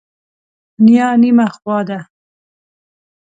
نیا نیمه خوا ده.